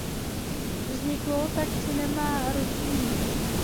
Vzniklo tak "Cinema Rossini".